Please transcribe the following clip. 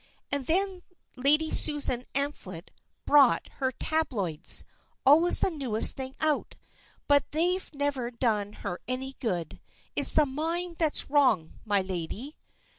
And then Lady Susan Amphlett brought her tabloids always the newest thing out. But they've never done her any good. It's the mind that's wrong, my lady."